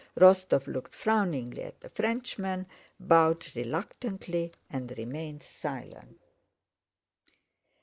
Rostóv looked frowningly at the Frenchmen, bowed reluctantly, and remained silent.